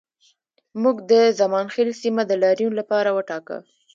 موږ د زمانخیل سیمه د لاریون لپاره وټاکه